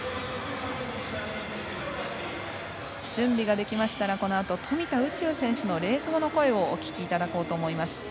準備ができましたら、このあと富田宇宙選手のレース後の声をお聞きいただこうと思います。